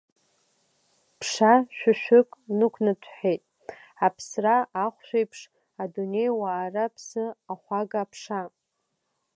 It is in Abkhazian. Ԥша шәышәык нықәнаҭәҳәеит, аԥсра ахәшәеиԥш, адунеи уаара аԥсы ахәага аԥша.